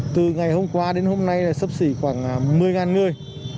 từ ngày hôm qua đến hôm nay là sấp xỉ khoảng một mươi người